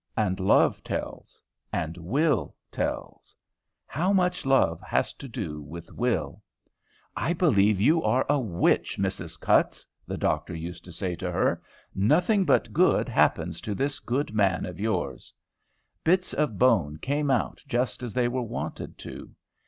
And love tells. And will tells. How much love has to do with will! "I believe you are a witch, Mrs. Cutts," the doctor used to say to her. "Nothing but good happens to this good man of yours." Bits of bone came out just as they were wanted to.